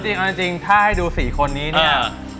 เอาจริงถ้าให้ดูสี่คนนี้เนี่ย